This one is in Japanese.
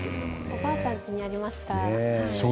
おばあちゃんちにありました。